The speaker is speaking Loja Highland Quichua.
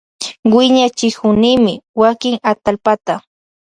Wiñachikunimi wakin atallpata.